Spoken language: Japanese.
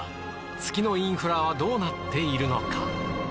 月のインフラはどうなっているのか？